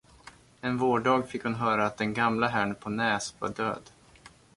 En vårdag fick hon höra att den gamla herrn på Nääs var död.